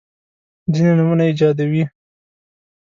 ځیني نومونه ایجادوي.